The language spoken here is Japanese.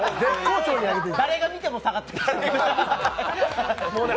誰が見ても下がってる。